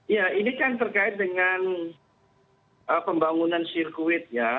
ya ini kan terkait dengan pembangunan sirkuit ya